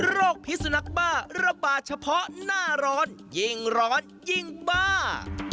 พิสุนักบ้าระบาดเฉพาะหน้าร้อนยิ่งร้อนยิ่งบ้า